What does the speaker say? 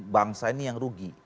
bangsa ini yang rugi